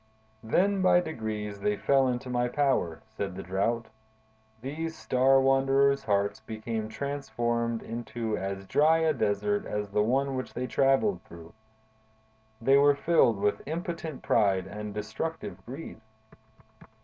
"Then, by degrees, they fell into my power," said the Drought. "These star wanderers' hearts became transformed into as dry a desert as the one which they traveled through. They were filled with impotent pride and destructive greed.